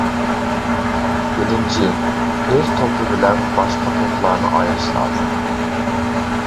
بىرىنچى، ئۆز توپى بىلەن باشقا توپلارنى ئايرىش لازىم.